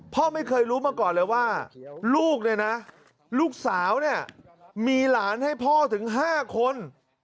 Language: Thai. พ่อไม่เคยรู้มาก่อนเลยว่าลูกเนี่ยนะลูกสาวเนี่ยมีหลานให้พ่อถึง๕คน